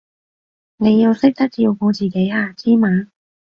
你要識得照顧自己啊，知嘛？